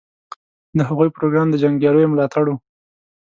د هغوی پروګرام د جنګیالیو ملاتړ و.